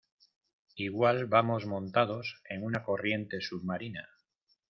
igual vamos montados en una corriente submarina